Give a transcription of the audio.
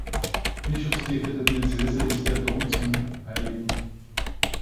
Bischofskirche der Diözese ist der Dom zum hl.